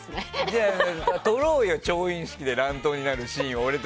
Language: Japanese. じゃあ、撮ろうよ調印式で乱闘になるシーン。